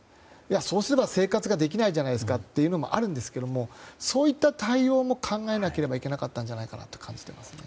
そうすれば生活ができないじゃないですかというのもありますがそういった対応も考えなければいけなかったと感じています。